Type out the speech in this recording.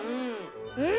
うん。